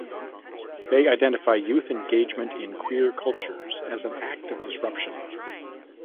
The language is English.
They identify youth engagement in queer culture(s) as an act of disruption.